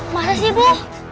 masa sih bu